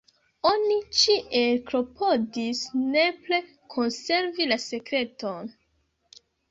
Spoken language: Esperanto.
Oni ĉiel klopodis nepre konservi la sekreton.